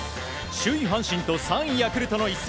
首位、阪神と３位、ヤクルトの一戦。